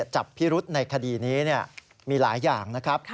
จับพิรุธในคดีนี้มีหลายอย่างนะครับ